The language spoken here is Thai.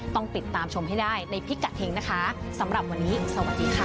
ต้องติดตามชมให้ได้ในพิกัดเฮงนะคะสำหรับวันนี้สวัสดีค่ะ